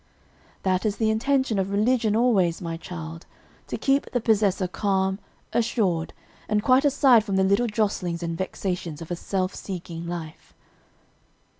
"That is the intention of religion always, my child, to keep the possessor calm, assured, and quite aside from the little jostlings and vexations of a self seeking life."